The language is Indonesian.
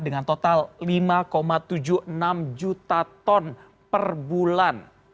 dengan total lima tujuh puluh enam juta ton per bulan